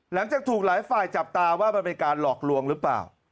หลังจากถูกหลายฝ่ายจับตาว่ามันเป็นการหลอกลวงหรือเปล่า